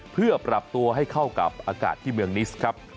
เพื่อปรับตัวให้เข้ากับอากาศที่เมืองนิสครับ